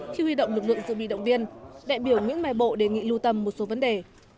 khi huy động lực lượng dự bị động viên đại biểu nguyễn mai bộ đề nghị lưu tâm một số vấn đề